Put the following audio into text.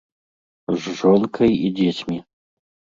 З жонкай і дзецьмі.